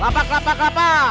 lapa kelapa kelapa